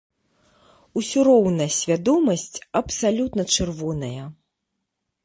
Усё роўна свядомасць абсалютна чырвоная.